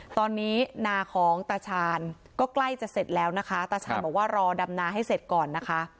ตอนนี้นาของตาชาญก็ใกล้จะเสร็จแล้วนะคะตาชาญบอกว่ารอดำนาให้เสร็จก่อนนะคะ